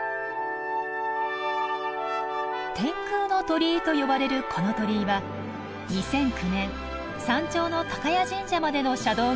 天空の鳥居と呼ばれるこの鳥居は２００９年山頂の高屋神社までの車道が完成した記念に建てられました。